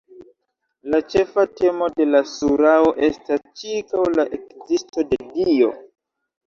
La ĉefa temo de la surao estas ĉirkaŭ la ekzisto de Dio.